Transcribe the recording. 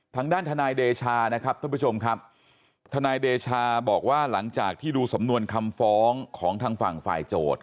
ทางด้านทนายเดชานะครับท่านผู้ชมครับทนายเดชาบอกว่าหลังจากที่ดูสำนวนคำฟ้องของทางฝั่งฝ่ายโจทย์